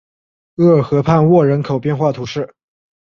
厄尔河畔沃人口变化图示